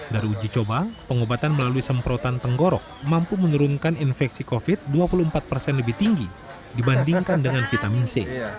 dari uji coba pengobatan melalui semprotan tenggorok mampu menurunkan infeksi covid sembilan belas dua puluh empat persen lebih tinggi dibandingkan dengan vitamin c